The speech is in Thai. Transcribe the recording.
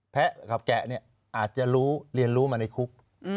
กับแกะเนี่ยอาจจะรู้เรียนรู้มาในคุก